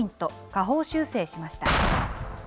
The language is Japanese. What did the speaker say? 下方修正しました。